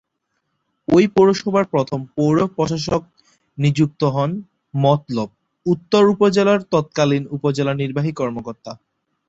এ পৌরসভার প্রথম পৌর প্রশাসক নিযুক্ত হন মতলব উত্তর উপজেলার তৎকালীন উপজেলা নির্বাহী কর্মকর্তা।